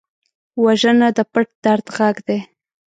وژنه د پټ درد غږ دی